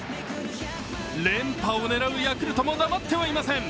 連覇を狙うヤクルトも黙ってはいません。